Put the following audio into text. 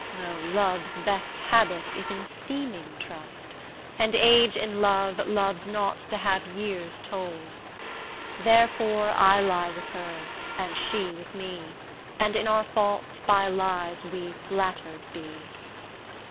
O! love's best habit is in seeming trust, And age in love, loves not to have years told: Therefore I lie with her, and she with me, And in our faults by lies we flatter'd be.